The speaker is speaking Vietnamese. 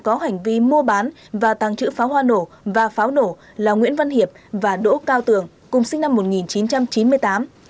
có hành vi mua bán và tàng trữ pháo hoa nổ và pháo nổ là nguyễn văn hiệp và đỗ cao tường cùng sinh năm một nghìn chín trăm chín mươi tám